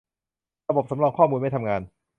ระบบสำรองข้อมูลไม่ทำงาน